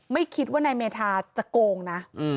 ไม่คิดว่านายเมธาจะโกงนะ